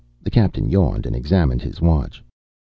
The captain yawned and examined his watch.